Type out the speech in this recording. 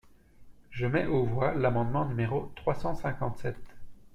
Je mets aux voix l’amendement numéro trois cent cinquante-sept.